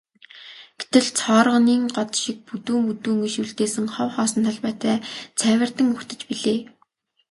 Гэтэл цооргонын год шиг бүдүүн бүдүүн иш үлдээсэн хов хоосон талбай цайвартан угтаж билээ.